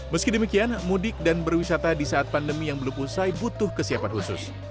meski demikian mudik dan berwisata di saat pandemi yang belum usai butuh kesiapan khusus